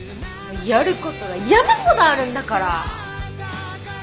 やることは山ほどあるんだから。